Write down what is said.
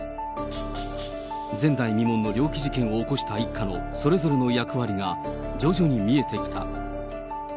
前代未聞の猟奇事件を起こした一家のそれぞれの役割が徐々に見え